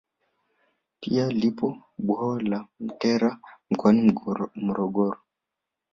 Pia lipo bwawa la Mtera mkoani Morogoro